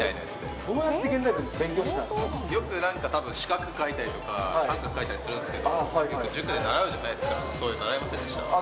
どうやって現代文勉強したんよく四角描いたりとか、三角書いたりするんですけど、塾で習うじゃないですか、そういうの習いませんでした？